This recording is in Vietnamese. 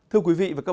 thưa quý vị và các bạn